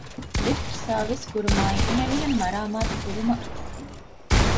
ލިފްޓް ސާރވިސް ކުރުމާއި އެހެނިހެން މަރާމާތު ކުރުމަށް